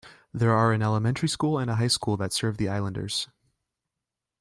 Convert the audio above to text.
There are an elementary school and a high school that serve the islanders.